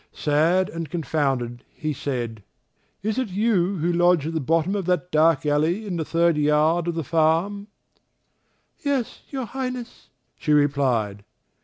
Sad and confounded, he said, "Is it you who lodge at the bottom of that dark alley in the third yard of the farm?" "Yes, your Highness," she replied.